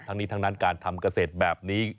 ทั้งนี้ทั้งนั้นการทำเกษตรแบบนี้